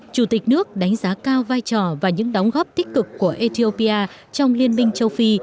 chủ tịch nước đánh giá cao vai trò và những đóng góp tích cực của ethiopia trong liên minh châu phi